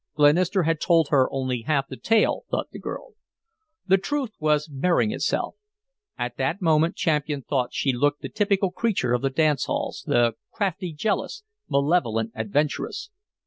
Glenister had told her only half the tale, thought the girl. The truth was baring itself. At that moment Champian thought she looked the typical creature of the dance halls, the crafty, jealous, malevolent adventuress.